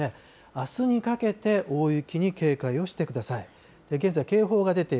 あすにかけて大雪に警戒をしてください。